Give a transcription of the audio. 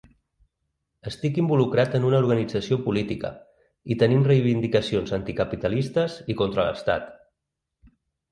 Estic involucrat en una organització política i tenim reivindicacions anticapitalistes i contra l’estat.